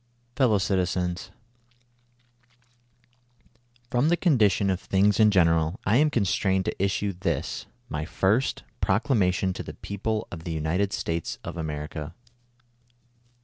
"Fellow Citizens :— From the condition of things in general, I am constrained to issue this, my firsts Proclama tion to the people of the United States of America.